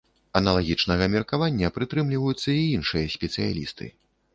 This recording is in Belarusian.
Аналагічнага меркавання прытрымліваюцца і іншыя спецыялісты.